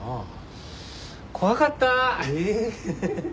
怖かった！